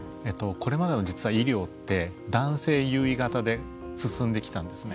これまでの医療って男性優位型で進んできたんですね。